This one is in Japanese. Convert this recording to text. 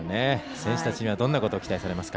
選手たちにはどんなことを期待されますか。